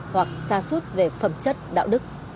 hoặc xa suốt về phẩm chất đạo đức